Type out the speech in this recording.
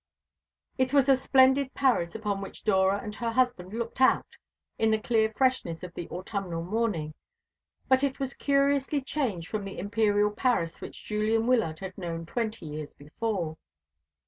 It was a splendid Paris upon which Dora and her husband looked out in the clear freshness of the autumnal morning, but it was curiously changed from that Imperial Paris which Julian Wyllard had known twenty years before.